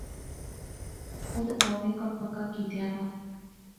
اودھر مانویں کم پکا کیتیا نا